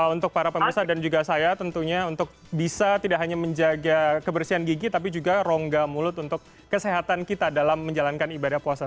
untuk para pemirsa dan juga saya tentunya untuk bisa tidak hanya menjaga kebersihan gigi tapi juga rongga mulut untuk kesehatan kita dalam menjalankan ibadah puasa